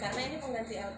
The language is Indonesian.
karena ini pengganti lpg